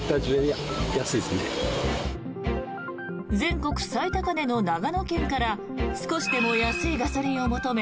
全国最高値の長野県から少しでも安いガソリンを求め